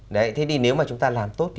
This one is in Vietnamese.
đấy thế thì nếu mà chúng ta làm tốt cái việc đó